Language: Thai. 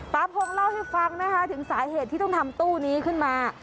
พงเล่าให้ฟังนะคะถึงสาเหตุที่ต้องทำตู้นี้ขึ้นมา